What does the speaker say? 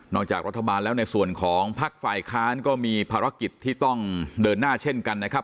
จากรัฐบาลแล้วในส่วนของพักฝ่ายค้านก็มีภารกิจที่ต้องเดินหน้าเช่นกันนะครับ